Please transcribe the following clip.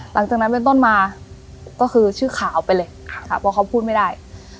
หลังจากนั้นเป็นต้นมาก็คือชื่อขาวไปเลยค่ะเพราะเขาพูดไม่ได้